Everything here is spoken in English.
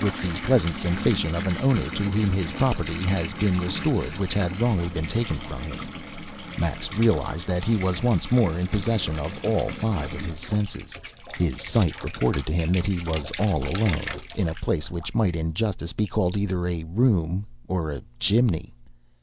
With the pleasant sensation of an owner to whom his property has been restored which had wrongly been taken from him, Max realised that he was once more in possession of all his five senses. His sight reported to him that he was all alone, in a place which might in justice be called either a room or a chimney.